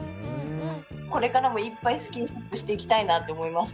これからもいっぱいスキンシップしていきたいなって思いました。